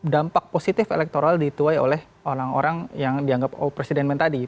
dampak positif elektoral dituai oleh orang orang yang dianggap all presidentment tadi